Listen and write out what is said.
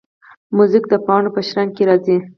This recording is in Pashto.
موزیک د پاڼو په شرنګ کې راځي.